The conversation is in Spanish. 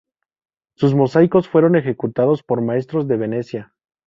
Sus mosaicos fueron ejecutados por maestros de Venecia.